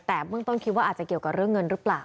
แต่เบื้องต้นคิดว่าอาจจะเกี่ยวกับเรื่องเงินหรือเปล่า